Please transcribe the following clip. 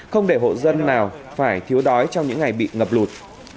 không để hộ dân nào phải thiếu đói trong những ngày bị ngập lụt